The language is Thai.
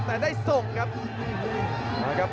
แต่ได้ส่งครับ